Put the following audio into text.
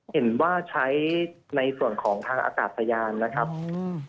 เห็นว่าใช้ในส่วนของทางอากาศยานนะครับอืม